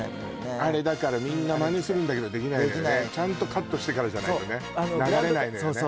あれだからみんなマネするんだけどできないのよねちゃんとカットしてからじゃないとね流れないのよね